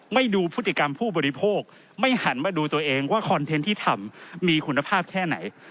ดูพฤติกรรมผู้บริโภคไม่หันมาดูตัวเองว่าคอนเทนต์ที่ทำมีคุณภาพแค่ไหน